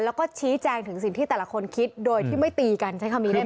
แล้วก็ชี้แจงถึงสิ่งที่แต่ละคนคิดโดยที่ไม่ตีกันใช้คำนี้ได้ไหม